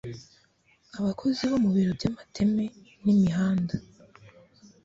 abakozi bo mu biro by'amateme n'imihanda